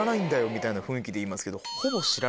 みたいな雰囲気で言いますけど。